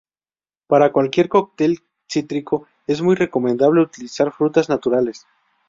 Para cualquier cóctel cítrico es muy recomendable utilizar frutas naturales.